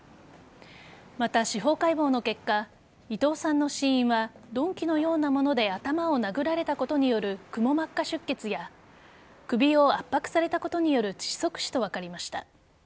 また、司法解剖の結果伊藤さんの死因は鈍器のようなもので頭を殴られたことによるくも膜下出血や首を圧迫されたことによる窒息死と分かりました。